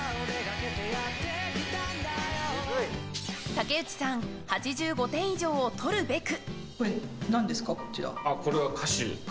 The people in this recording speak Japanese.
武内さん８５点以上を取るべく。